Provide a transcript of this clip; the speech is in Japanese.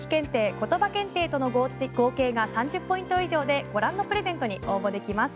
ことば検定との合計が３０ポイント以上でご覧のプレゼントに応募できます。